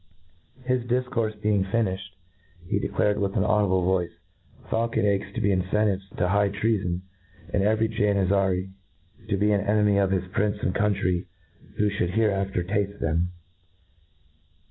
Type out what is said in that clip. ' His dif courfe being finiflied, he declared with an audible voice, faulcon eggs to be incentives to high trea fpn, and every Janizary to be an enemy to his prince and country who Ihould hereafter tafte them.